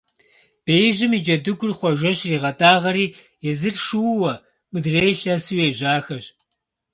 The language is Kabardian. Беижьым и джэдыгур Хъуэжэ щригъэтӀагъэри, езыр шууэ, мыдрейр лъэсу ежьахэщ.